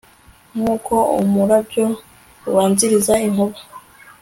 nk'uko umurabyo ubanziriza inkuba